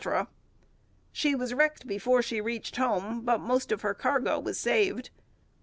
She was wrecked before she reached home, but most of her cargo was saved.